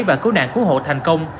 và cứu nạn cứu hộ thành công